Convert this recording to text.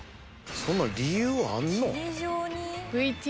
そんな理由あんの？